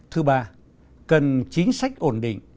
thứ ba cần chính sách ổn định